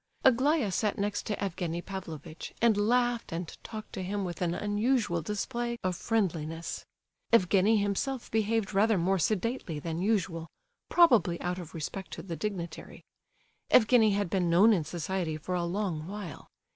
Aglaya sat next to Evgenie Pavlovitch, and laughed and talked to him with an unusual display of friendliness. Evgenie himself behaved rather more sedately than usual, probably out of respect to the dignitary. Evgenie had been known in society for a long while.